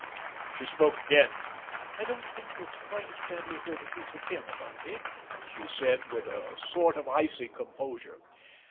She spoke again. "I don't think you are quite as badly hurt as you pretend, Bundy," she said, with a sort of icy composure.